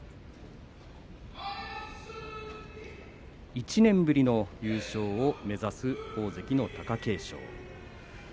１年ぶりの優勝を目指す大関の貴景勝です。